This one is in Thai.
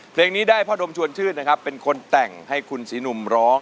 เพลงนี้ได้พ่อดมชวนชื่นนะครับเป็นคนแต่งให้คุณศรีหนุ่มร้อง